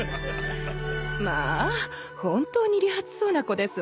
まあ本当に利発そうな子ですわね。